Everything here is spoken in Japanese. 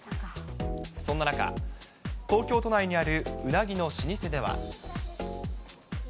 そんな中、東京都内にあるうなぎの老舗では。